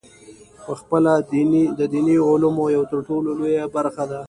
پخپله د دیني علومو یوه ترټولو لویه برخه ده.